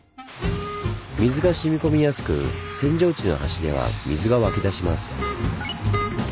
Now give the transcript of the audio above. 水がしみこみやすく扇状地の端では水が湧き出します。